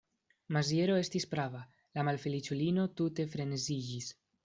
Maziero estis prava: la malfeliĉulino tute freneziĝis.